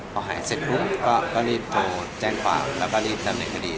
พอหายเสร็จปุ๊บก็รีบโทรแจ้งความแล้วก็รีบดำเนินคดี